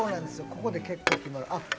ここで結構決まる。